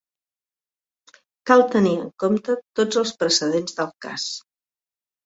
Cal tenir en compte tots els precedents del cas.